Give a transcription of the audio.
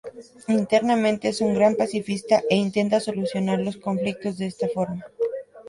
Internamente es un gran pacifista e intenta solucionar los conflictos de esta forma.